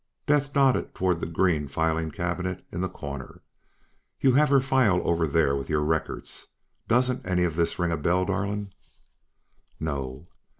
Beth nodded toward the green filing cabinet in the corner. "You have her file over there with your records. Doesn't any of this ring a bell, darling?" "No."